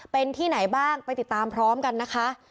เป็นที่ไหนบ้างไปติดตามพร้อมกันนะคะ